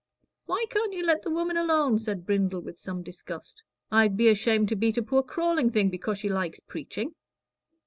"Why can't you let the woman alone?" said Brindle, with some disgust. "I'd be ashamed to beat a poor crawling thing 'cause she likes preaching."